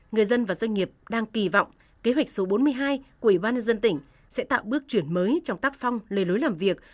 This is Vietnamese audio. người dân và doanh nghiệp đang kỳ vọng kế hoạch số bốn mươi hai của ủy ban nhân dân tỉnh sẽ tạo bước chuyển mới trong tác phong lề lối làm việc